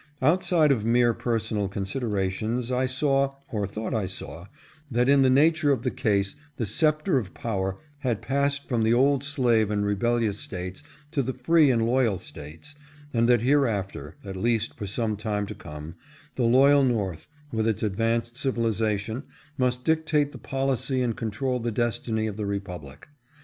Outside of mere personal considerations I saw, or thought I saw, that in the nature of the case the sceptre of power had passed from the old slave and rebellious States to the free and loyal States, and that hereafter, at least for some time to come, the loyal North, with its ad vanced civilization, must dictate the policy and control the destiny of the republic.